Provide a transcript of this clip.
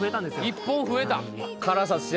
１本増えた